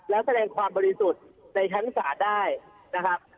แล้วแสดงความบริสุทธิ์ในชั้นศาลได้นะครับ